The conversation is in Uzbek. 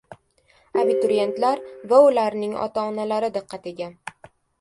Abituriyentlar va ularning ota-onalari diqqatiga!